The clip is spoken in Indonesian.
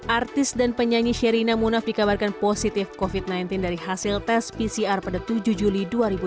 artis dan penyanyi sherina munaf dikabarkan positif covid sembilan belas dari hasil tes pcr pada tujuh juli dua ribu dua puluh